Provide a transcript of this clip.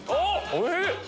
おいしい！